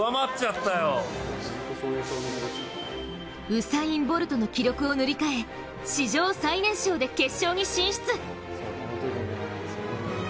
ウサイン・ボルトの記録を塗り替え史上最年少で決勝に進出。